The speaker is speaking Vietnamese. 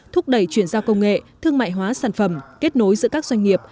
thúc đẩy chuyển giao công nghệ thương mại hóa sản phẩm kết nối giữa các doanh nghiệp